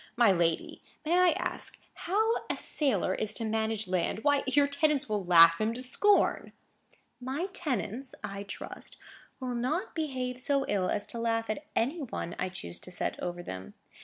My lady, may I ask how a sailor is to manage land? Why, your tenants will laugh him to scorn." "My tenants, I trust, will not behave so ill as to laugh at any one I choose to set over them.